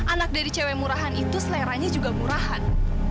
anak dari cewek murahan itu seleranya juga murahan